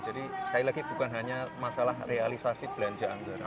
jadi sekali lagi bukan hanya masalah realisasi belanja anggaran